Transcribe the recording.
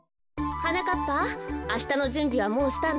はなかっぱあしたのじゅんびはもうしたの？